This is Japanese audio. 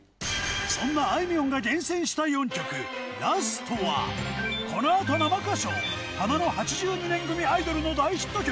そんなあいみょんが厳選した４曲、ラストは、このあと生歌唱、花の８２年組アイドルの大ヒット曲。